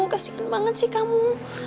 kasihan banget sih kamu